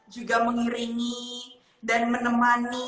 juga mengiringi dan menemani